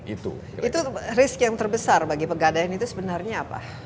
itu risk yang terbesar bagi pegadaian itu sebenarnya apa